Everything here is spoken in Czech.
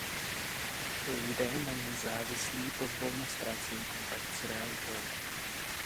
Lidé na ní závislí pozvolna ztrácejí kontakt s realitou.